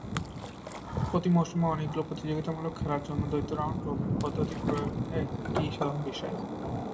প্রতি মৌসুমে অনেকগুলো প্রতিযোগিতামূলক খেলার জন্য দ্বৈত রাউন্ড-রবিন পদ্ধতির প্রয়োগ একটি সাধারণ বিষয়।